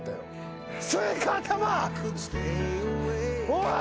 おい！